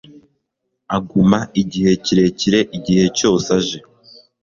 aguma igihe kirekire igihe cyose aje